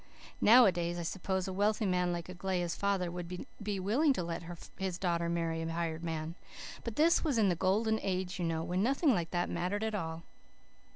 Nowadays I suppose a wealthy man like Aglaia's father wouldn't be willing to let his daughter marry a hired man; but this was in the Golden Age, you know, when nothing like that mattered at all.